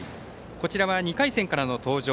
こちらは２回戦からの登場